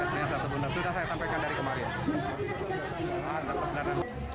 sd negeri satu bundar sudah saya sampaikan dari kemarin